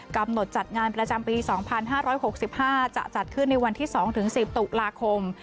จัดงานประจำปี๒๕๖๕จะจัดขึ้นในวันที่๒๑๐ตุลาคม